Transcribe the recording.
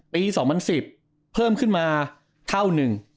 ๒๐๑๐เพิ่มขึ้นมาเท่าหนึ่ง